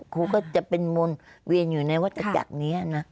ครูก็จะเป็นมนต์เวียนอยู่ในวัตจักรนี้นะ